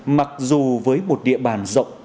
mặc dù với một địa bàn rộng